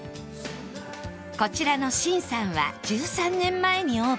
こちらの心さんは１３年前にオープン